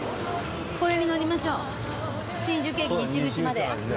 これに乗りましょう新宿駅西口まで。